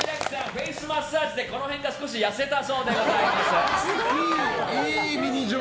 フェイスマッサージでこの辺が少し痩せたそうでございます。